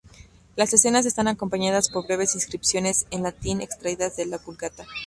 Las escenas están acompañadas por breves inscripciones en latín extraídas de la Vulgata.